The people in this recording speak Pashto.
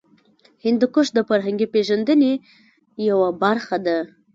هندوکش د فرهنګي پیژندنې یوه برخه ده.